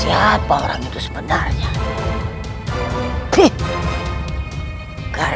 iya kaman daka